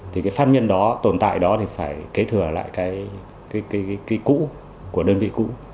thì cái pháp nhân đó tồn tại đó thì phải kế thừa lại cái cũ của đơn vị cũ